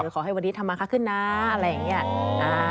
ขอให้วันนี้ทำมาค้าขึ้นนะอะไรอย่างนี้